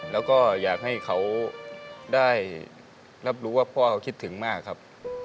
แล้วก็อยากให้เขาได้รับรู้ว่าพ่อเขาคิดถึงมากครับ